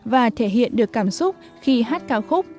và thể hiện được cảm xúc khi hát ca khúc